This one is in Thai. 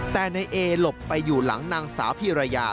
แต่นายเอหลบไปอยู่หลังนางสาวพีรยา